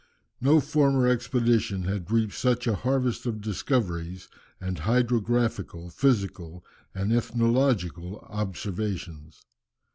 No former expedition had reaped such a harvest of discoveries and hydrographical, physical, and ethnological observations.